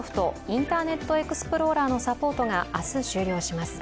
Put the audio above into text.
インターネットエクスプローラーのサポートが明日、終了します。